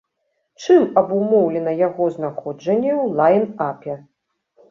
Чым абумоўлена яго знаходжанне ў лайн-апе?